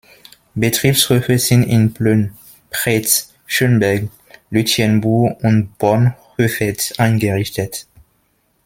Betriebshöfe sind in Plön, Preetz, Schönberg, Lütjenburg und Bornhöved eingerichtet.